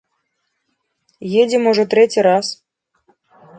Едзем ужо трэці раз.